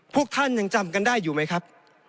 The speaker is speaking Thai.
พวกท่านยังจำกันได้อยู่ไหมครับ